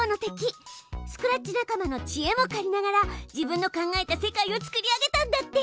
スクラッチ仲間のちえも借りながら自分の考えた世界を作り上げたんだって！